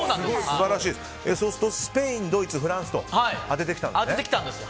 そうするとスペイン、ドイツフランスと当ててきたんですね。